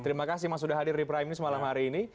terima kasih mas sudah hadir di prime news malam hari ini